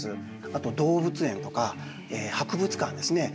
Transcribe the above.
あと動物園とか博物館ですね。